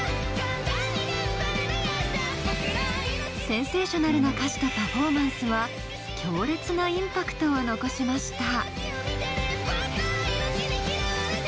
センセーショナルな歌詞とパフォーマンスは強烈なインパクトを残しました。